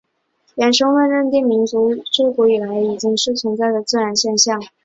原生论认定民族是至古以来已经存在的自然现象。